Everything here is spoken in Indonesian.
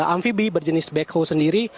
amfibi berjenis backhoe sendiri